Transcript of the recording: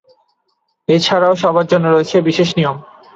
এছাড়াও সবার জন্য রয়েছে বিশেষ নিয়ম।